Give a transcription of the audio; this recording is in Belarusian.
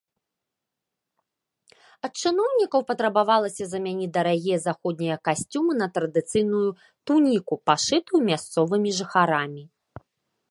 Ад чыноўнікаў патрабавалася замяніць дарагія заходнія касцюмы на традыцыйную туніку, пашытую мясцовымі жыхарамі.